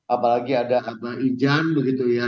apalagi ada abah ijan begitu ya